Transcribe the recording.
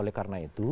oleh karena itu